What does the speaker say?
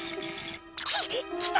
ききた！